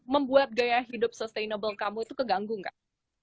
membuat gaya hidup sustainable kamu itu keganggu gak